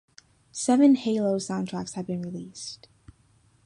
Seven "Halo" soundtracks have been released.